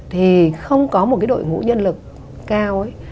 thì không có một cái đội ngũ nhân lực cao